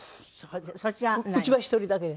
うちは１人だけ。